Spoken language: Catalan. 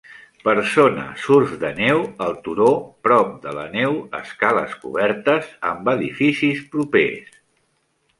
Persona surf de neu al turó prop de la neu escales cobertes amb edificis propers.